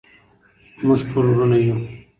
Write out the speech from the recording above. موږ ټول ورونه یو.